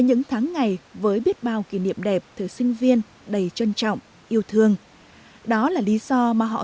những tháng ngày với biết bao kỷ niệm đẹp thời sinh viên đầy trân trọng yêu thương đó là lý do mà họ